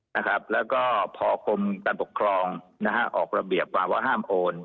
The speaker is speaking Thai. นะครับแล้วก็พคมการปกครองนะฮะออกระเบียบความว่าห้ามโอน